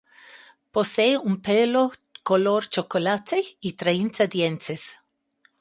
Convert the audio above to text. Posee un pelo color chocolate y treinta dientes.